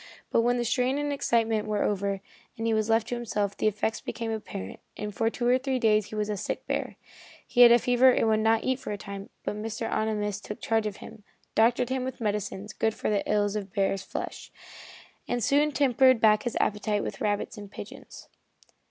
But when the strain and excitement were over, and he was left to himself, the effects became apparent, and for two or three days he was a sick bear. He had a fever and would not eat for a time, but Mr. Ohnimus took charge of him, doctored him with medicines good for the ills of bear flesh, and soon tempted back his appetite with rabbits and pigeons.